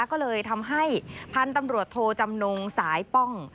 ก็เลยทำให้พันธุ์ตำรวจโทจำนงสายป้อง